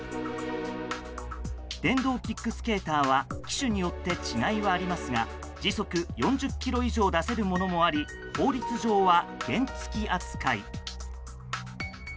電動キックスケーターは機種によって違いはありますが時速４０キロ以上出せるものもあり法律上は原付き扱い。